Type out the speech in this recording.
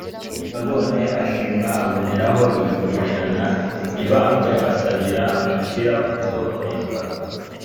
abonye ashimwe, aboneraho, yihererana mibambwe, asabira mashira kudohorerwa